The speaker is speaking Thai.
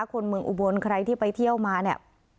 คนเมืองอุบลใครที่ไปเที่ยวมาเนี่ย